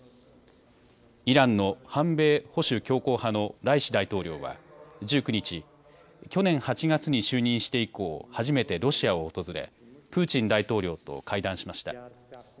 イランの反米・保守強硬派のライシ大統領は１９日、去年８月に就任して以降、初めてロシアを訪れプーチン大統領と会談しました。